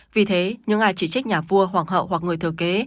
vì thế những ai chỉ trích nhà vua hoàng hậu hoặc người thừa kế